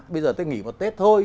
bây giờ tôi nghỉ một tết thôi